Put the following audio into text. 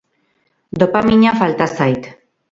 Dopamina falta zait.